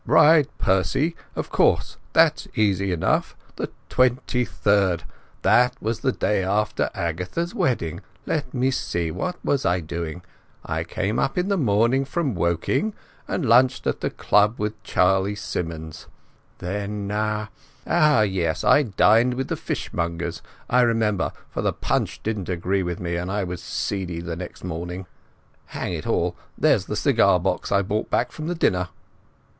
"Right, Percy! Of course that's easy enough. The 23rd! That was the day after Agatha's wedding. Let me see. What was I doing? I came up in the morning from Woking, and lunched at the club with Charlie Symons. Then—oh yes, I dined with the Fishmongers. I remember, for the punch didn't agree with me, and I was seedy next morning. Hang it all, there's the cigar box I brought back from the dinner."